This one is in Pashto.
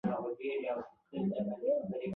چې د جګړې له لومړۍ کرښې سره په خوا کې و، یوه سپینه.